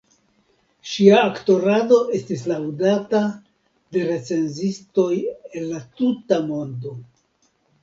Ŝia aktorado estis laŭdata de recenzistoj el la tuta mondo.